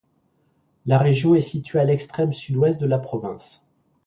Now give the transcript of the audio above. La région est située à l'extrême sud-ouest de la province.